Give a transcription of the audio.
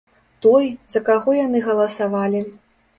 Той, за каго яны галасавалі.